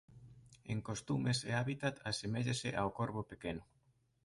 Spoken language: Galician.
En costumes e hábitat aseméllase ao corvo pequeno.